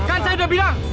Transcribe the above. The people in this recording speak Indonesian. kan saya sudah bilang